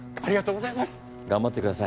頑張ってください。